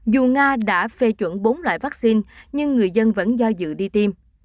dù nga đã phê chuẩn bốn loại vaccine nhưng người dân vẫn do dự đi tiêm